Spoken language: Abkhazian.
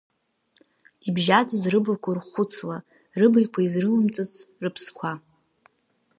Ибжьаӡыз рыблақәа урххәыцла, рыбаҩқәа изрылымҵыц рыԥсқәа.